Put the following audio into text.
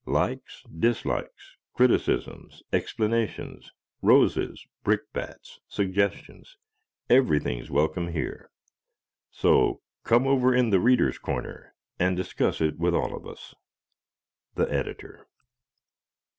Likes, dislikes, criticisms, explanations, roses, brickbats, suggestions everything's welcome here; so "come over in 'The Readers' Corner'" and discuss it with all of us! _The Editor.